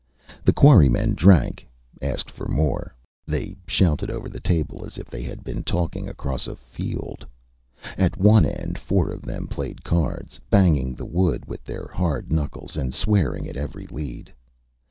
The quarrymen drank, asked for more. They shouted over the table as if they had been talking across a field. At one end four of them played cards, banging the wood with their hard knuckles, and swearing at every lead.